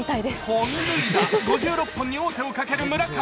本塁打５６本に王手をかける村上。